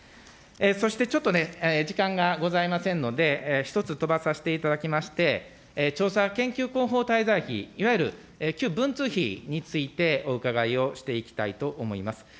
そしてちょっと時間がございませんので、１つ、飛ばさせていただきまして、調査研究広報滞在費、いわゆる旧文通費についてお伺いをしていきたいと思います。